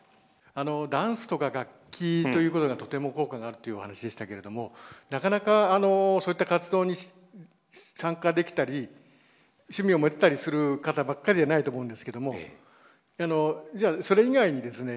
ダンスとか楽器ということがとても効果があるというお話でしたけれどもなかなかそういった活動に参加できたり趣味を持てたりする方ばっかりじゃないと思うんですけどもじゃあそれ以外にですね